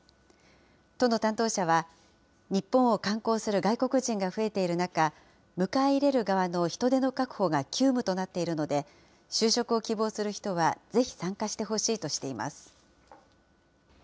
都の担当者は、日本を観光する外国人が増えている中、迎え入れる側の人手の確保が急務となっているので、就職を希望する人はぜひ参加してほしいとしています。